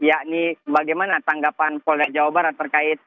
yakni bagaimana tanggapan polda jawa barat terkait